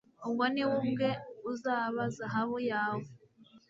ubwo ni we ubwe uzaba zahabu yawe